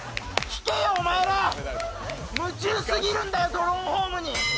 聞けよ、お前ら！夢中すぎるんだよ「ドローンホーム」に。